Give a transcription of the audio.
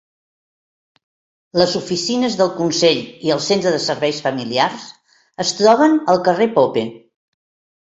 Les oficines del Consell, i el Centre de Serveis Familiars, es troben al Carrer Pope.